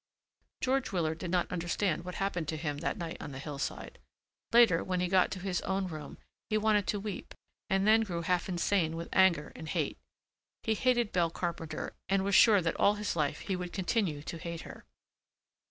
George Willard did not understand what happened to him that night on the hillside. Later, when he got to his own room, he wanted to weep and then grew half insane with anger and hate. He hated Belle Carpenter and was sure that all his life he would continue to hate her.